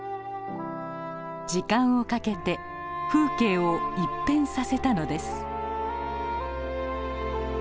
時間をかけて風景を一変させたのです。